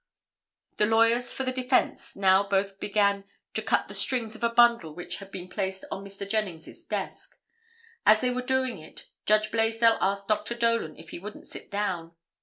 The lawyers for the defence now both began to cut the strings of a bundle which had been placed on Mr. Jennings' desk. As they were doing it Judge Blaisdell asked Dr. Dolan if he wouldn't sit down.